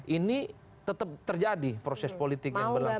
ini tetap terjadi proses politik yang berlangsung